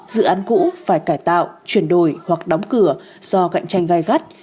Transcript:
dự án cũ phải cải tạo chuyển đổi hoặc đóng cửa do cạnh tranh gai gắt